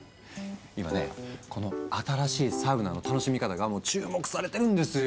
今ねこの新しいサウナの楽しみ方が注目されてるんですよ。